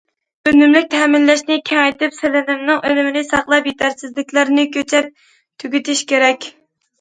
ئۈنۈملۈك تەمىنلەشنى كېڭەيتىپ، سېلىنمىنىڭ ئۈنۈمىنى ساقلاپ، يېتەرسىزلىكلەرنى كۈچەپ تۈگىتىش كېرەك.